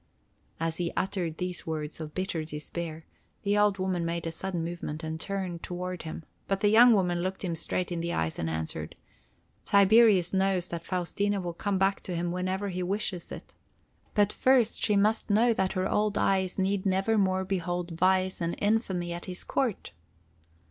As he uttered these words of bitter despair, the old woman made a sudden movement and turned toward him, but the young woman looked him straight in the eyes and answered: "Tiberius knows that Faustina will come back to him whenever he wishes it. But first she must know that her old eyes need never more behold vice and infamy at his court."